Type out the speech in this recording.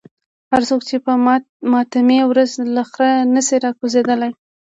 هر څوک چې په ماتمي ورځ له خره نشي راکوزېدای.